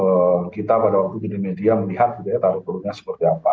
cukup kita pada waktu pilih media melihat budaya taruh bulunya seperti apa